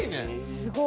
すごい。